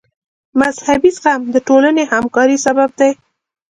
مذهبي زغم د ټولنې همکارۍ سبب دی.